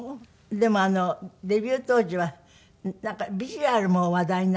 でもあのデビュー当時はなんかビジュアルも話題になってたって。